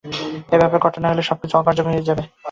এ ব্যাপারে কঠোর না হলে সবকিছু অকার্যকর হয়ে যাবে।